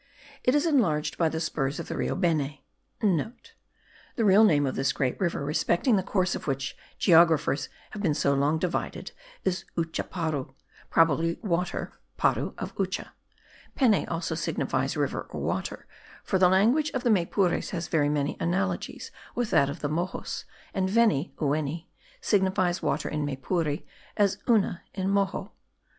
It is enlarged by the spurs of the Rio Beni,* (* The real name of this great river, respecting the course of which geographers have been so long divided, is Uchaparu, probably water (para) of Ucha; Peni also signifies river or water; for the language of the Maypures has very many analogies with that of the Moxos; and veni (oueni) signifies water in Maypure, as una in Moxo.